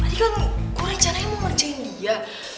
tadi kan gue rencananya mau ngerjain dia